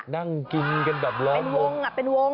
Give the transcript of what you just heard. นั่งกินกันแบบรอบเป็นวง